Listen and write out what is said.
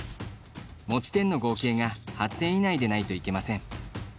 持ち点の合計が８点以内でないといけません。